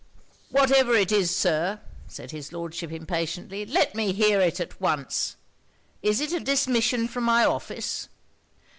'Whatever it is Sir,' said his Lordship impatiently, 'let me hear it at once. Is it a dismission from my office?'